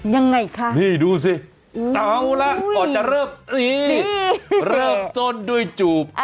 ยังไงคะนี่ดูสิเอาละก่อนจะเริ่มตีเริ่มต้นด้วยจูบ